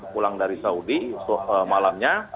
pulang dari saudi malamnya